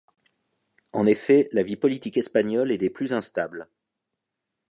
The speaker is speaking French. En effet, la vie politique espagnole est des plus instable.